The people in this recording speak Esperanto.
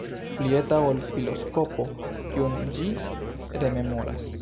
Pli eta ol filoskopo, kiun ĝi rememoras.